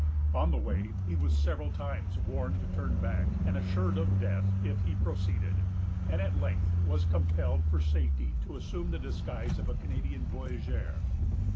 On the way, he was several times warned to turn back, and assured of death if he proceeded; and, at length, was compelled for safety to assume the disguise of a Canadian voyageur.